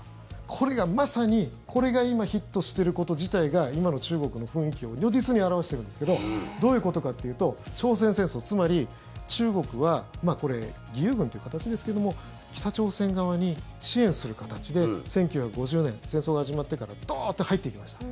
これがまさにこれが今ヒットしてること自体が今の中国の雰囲気を如実に表してるんですけどどういうことかっていうと朝鮮戦争、つまり中国はこれ、義勇軍という形ですけども北朝鮮側に支援する形で１９５０年、戦争が始まってからドーッと入っていきました。